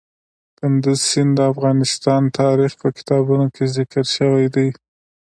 کندز سیند د افغان تاریخ په کتابونو کې ذکر شوی دی.